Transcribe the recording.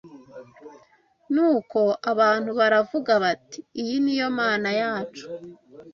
Nuko abantu baravuga bati ‘iyi ni yo Mana yacu